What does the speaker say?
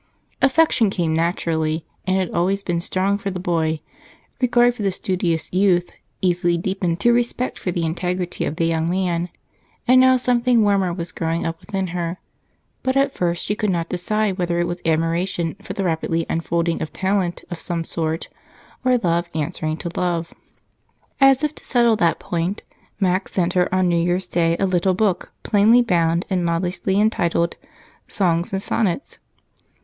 Affection came naturally, and had always been strong for the boy; regard for the studious youth easily deepened to respect for the integrity of the young man, and now something warmer was growing up within her; but at first she could not decide whether it was admiration for the rapid unfolding of talent of some sort or love answering to love. As if to settle that point, Mac sent her on New Year's Day a little book plainly bound and modestly entitled Songs and Sonnets.